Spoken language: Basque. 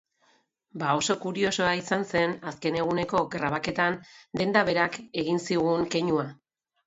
Ba oso kuriosoa izan zen azken eguneko grabaketan denda berak egin zigun keinua.